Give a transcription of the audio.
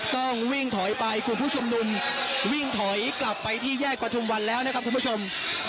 ต้องวิ่งถอยไปกลุ่มผู้ชุมนุมวิ่งถอยกลับไปที่แยกประทุมวันแล้วนะครับคุณผู้ชม